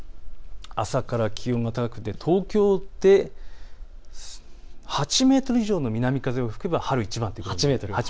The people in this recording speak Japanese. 朝から気温が高くなって東京で８メートル以上の南風が吹けば春一番。